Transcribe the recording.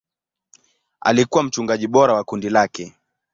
Alikuwa mchungaji bora wa kundi lake.